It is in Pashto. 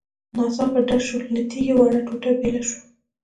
. ناڅاپه ډز شو، له تيږې وړه ټوټه بېله شوه.